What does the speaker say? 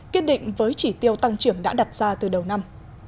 kiên định với chỉ tiêu tăng trưởng đã đặt ra từ đầu năm